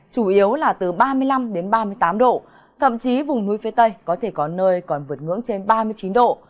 chủ yếu là từ ba mươi năm đến ba mươi tám độ thậm chí vùng núi phía tây có thể có nơi còn vượt ngưỡng trên ba mươi chín độ